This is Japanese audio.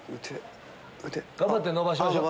頑張って伸ばしましょう。